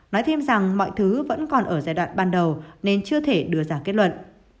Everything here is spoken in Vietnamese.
nói thêm rằng mọi thứ vẫn còn ở giai đoạn ban đầu nên chưa thể đưa ra kết luận